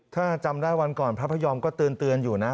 ถ้าจำได้วันก่อนพระพยอมก็เตือนอยู่นะ